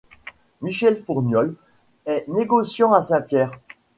Michel Fourniols est négociant à Saint-Pierre.